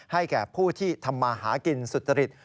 ให้แก่ผู้ที่ทำมาหากินสุธฤทธิ์